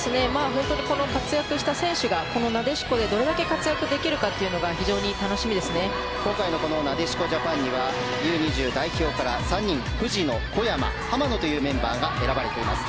本当にこの活躍した選手がこのなでしこでどれだけ活躍できるかが今回のなでしこジャパンにはＵ‐２０代表から３人藤野、小山、浜野というメンバーが選ばれています。